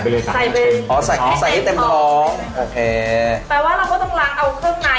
ยั่งหน้าพอสักครั้งเศร้าผัดตรงนั้น